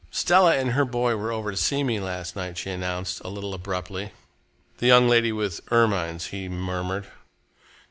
"Stella and her boy were over to see me last night," she announced, a little abruptly. "The young lady with the ermines," he murmured.